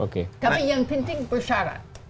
tapi yang penting bersarat